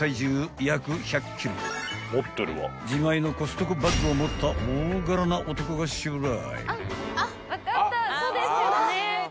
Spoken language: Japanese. ［自前のコストコバッグを持った大柄な男が襲来］